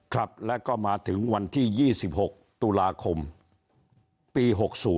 ครับแล้วก็มาถึงวันที่๒๖ตุลาคมปี๖๐